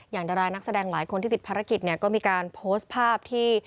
ดารานักแสดงหลายคนที่ติดภารกิจเนี่ยก็มีการโพสต์ภาพที่